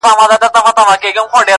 زما څخه مه غواړه غزل د پسرلي د نسیم!.